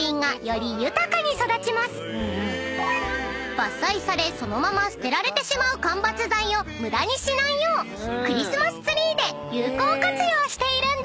［伐採されそのまま捨てられてしまう間伐材を無駄にしないようクリスマスツリーで有効活用しているんです］